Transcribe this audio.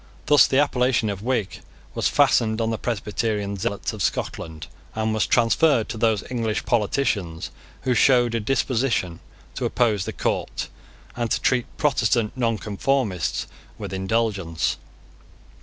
Thus the appellation of Whig was fastened on the Presbyterian zealots of Scotland, and was transferred to those English politicians who showed a disposition to oppose the court, and to treat Protestant Nonconformists with indulgence.